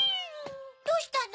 どうしたの？